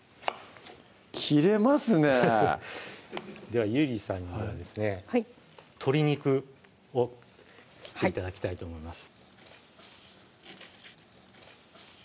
ではゆりさんにはですねはい鶏肉を切って頂きたいと思います